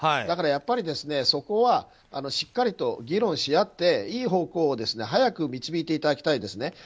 だからやっぱり、そこはしっかりと議論し合っていい方向に早く導いていただきたいですね。